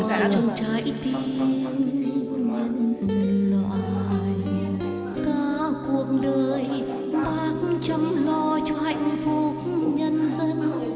trong trái tim nhân loại cả cuộc đời bác chăm lo cho hạnh phúc nhân dân